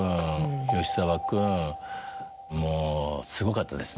もうすごかったですね。